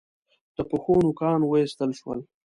د پښو نوکان و ایستل شول.